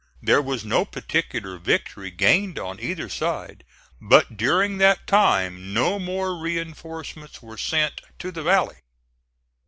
There was no particular victory gained on either side; but during that time no more reinforcements were sent to the valley.